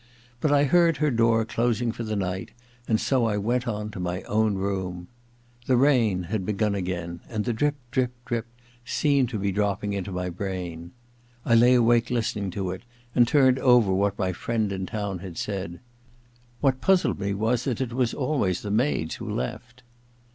But I heard her door closing for the night and so I went on to my own room. The rain had begun 138 THE LADY'S MAID'S BELL ii again, and the drip, drip, drip seemed to be dropping into my brain. I lay awake listening to It, and turning over what my friend in town had said. What puzzled me was that it was always the maids who left.